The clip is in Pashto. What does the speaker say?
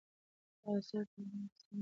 دا اثر په ادبیاتو کې بې سارې مقام لري.